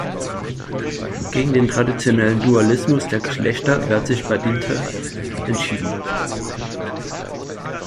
Gegen den traditionellen Dualismus der Geschlechter wehrt sich Badinter entschieden.